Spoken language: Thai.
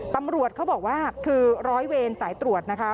ตำรวจเขาบอกว่าคือร้อยเวรสายตรวจนะคะ